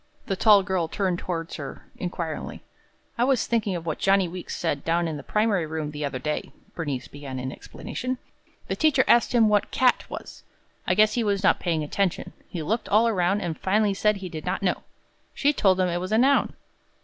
The tall girl turned toward her inquiringly. "I was thinking of what Johnny Weeks said down in the primary room the other day," Bernice began in explanation. "The teacher asked him what 'cat' was. I guess he was not paying attention. He looked all around, and finally said he did not know. She told him it was a noun.